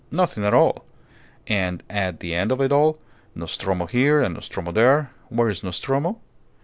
Nothing at all. And at the end of it all Nostromo here and Nostromo there where is Nostromo?